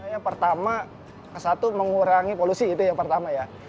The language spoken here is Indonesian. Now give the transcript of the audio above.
yang pertama satu mengurangi polusi itu yang pertama ya